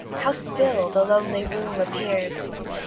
How still the lonely room appears!